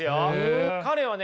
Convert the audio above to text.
彼はね